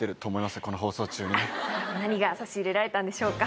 何が差し入れられたんでしょうか